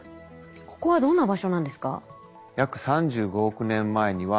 ここはどんな場所なんですか？